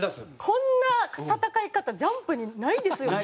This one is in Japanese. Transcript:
こんな戦い方『ジャンプ』にないですよね。